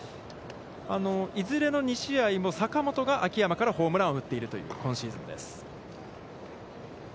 いずれの２試合も、坂本が秋山からホームランを打っているという今シーズンです。